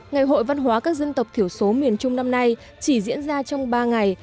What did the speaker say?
ngày hội văn hóa các dân tộc thiểu số miền trung năm nay chỉ diễn ra trong ba ngày